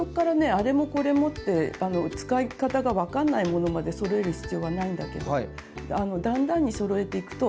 「あれもこれも」って使い方が分かんないものまでそろえる必要はないんだけどだんだんにそろえていくといいと思います。